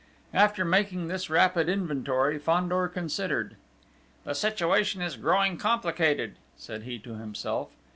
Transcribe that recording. After making this rapid inventory, Fandor considered: "The situation is growing complicated," said he to himself.